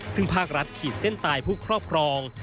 ซึ่งภาครัฐขีดเส้นตายผู้ครอบครอง